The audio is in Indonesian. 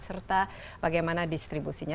serta bagaimana distribusinya